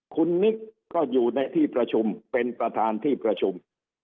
คุณนิกก็อยู่ในที่ประชุมเป็นประธานที่ประชุม